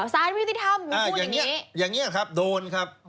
ศาลไม่ติดทำพูดแบบนี้อย่างนี้ครับโดนครับ